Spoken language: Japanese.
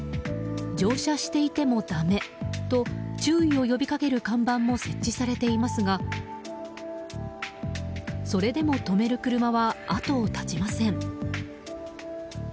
乗車していてもダメと注意を呼び掛ける看板も設置されていますがそれでも止める車は後を絶ちません。